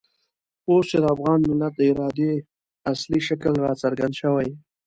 اوس چې د افغان ملت د ارادې اصلي شکل را څرګند شوی.